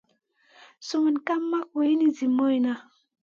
Sumun ka mak wulini zi moyna.